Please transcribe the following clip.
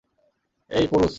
এই, পোরুস!